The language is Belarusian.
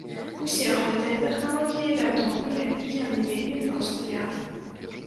Усе гэтыя тэхналогіі вядомыя і яны вельмі простыя.